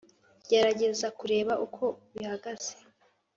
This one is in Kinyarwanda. Gerageza kureba uko bihagaze